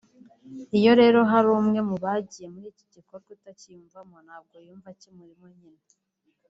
Iyo rero hari umwe mu bagiye muri iki gikorwa utacyiyumvamo ntabwo yumva kimurimo nyine